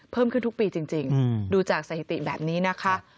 เพิ่มขึ้นทุกปีจริงดูจากสถิติแบบนี้นะคะ